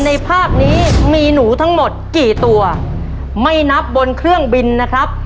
ในภาพนี้มีหนูทั้งหมดกี่ตัวไม่นับบนเครื่องบินนะครับ